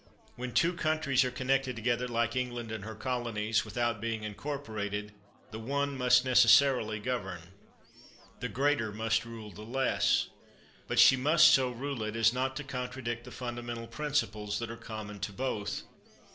When two countries are connected to gether like England and her colonies, without being incorporated, the one must necessarily govern. The greater must rule the less. But she must so rule it as not to contradict the funda mental principles that are common to both.